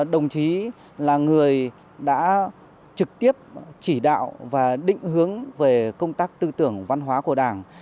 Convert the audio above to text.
đồng chí là người đã trực tiếp chỉ đạo và định hướng về công tác tư tưởng văn hóa của đảng